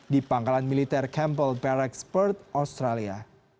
di pangkalan militer campbell perak spurte australia